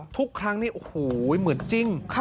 ทุกครั้งเนี่ยเหมือนจริง